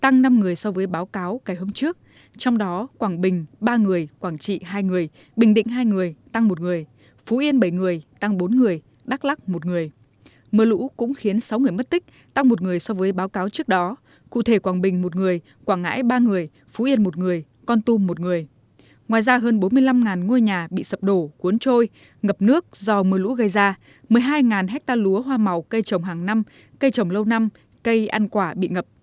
ngoài ra hơn bốn mươi năm ngôi nhà bị sập đổ cuốn trôi ngập nước do mưa lũ gây ra một mươi hai hecta lúa hoa màu cây trồng hàng năm cây trồng lâu năm cây ăn quả bị ngập